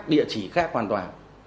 địa chỉ khác hoàn toàn